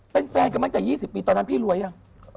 เป็นแฟนกันมากจาก๒๐ปีตอนนั้นพี่รวยหรือยัง